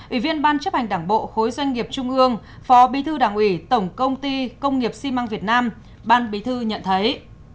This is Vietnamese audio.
ủy viên ban chấp hành đảng bộ khối doanh nghiệp trung ương phó bí thư đảng ủy tổng công ty công nghiệp xi măng việt nam ban bí thư nhận thấy